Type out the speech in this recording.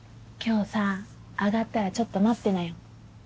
今日さ上がったらちょっと待ってなよ。